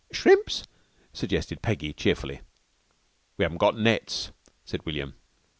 "Shrimps?" suggested Peggy cheerfully. "We haven't got nets," said William.